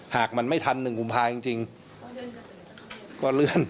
หากมันไม่ทัน๑กุมภาจริงก็เลื่อน